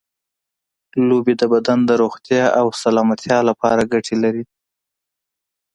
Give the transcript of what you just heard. لوبې د بدن د روغتیا او سلامتیا لپاره ګټې لري.